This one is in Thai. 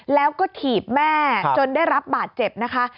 แล้วก็ถีบแม่จนได้รับบาดเจ็บนะคะ